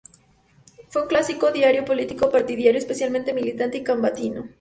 Fue un clásico diario político partidario, especialmente militante y combativo.